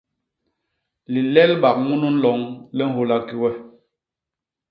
Lilelbak munu nloñ li nhôla ki we?